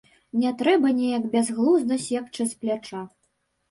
Не трэба неяк бязглузда секчы з пляча.